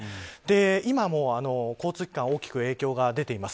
今、交通機関に大きく影響が出ています。